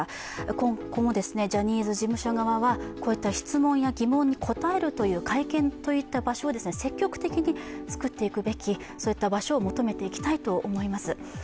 ここもジャニーズ事務所側はこういった質問や疑問に答えるといった会見という場所も積極的に作っていくべき、そういった場所を求めていきたいと思います。